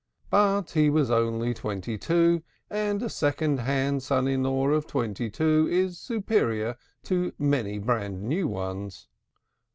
But he was only twenty two, and a second hand son in law of twenty two is superior to many brand new ones.